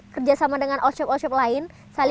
kerjasama dengan olshop olshop lain